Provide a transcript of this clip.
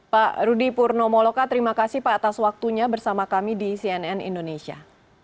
pak rudi purnomoloka terima kasih pak atas waktunya bersama kami di cnn indonesia